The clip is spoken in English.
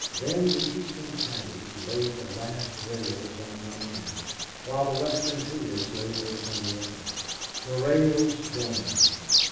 Then the eastern paddies laid the last rails on one end, while the western coolies laid those on the other. The rails joined.